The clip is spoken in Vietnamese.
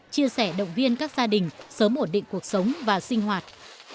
chia sẻ động viên các gia đình sớm ổn định cuộc sống và sinh hoạt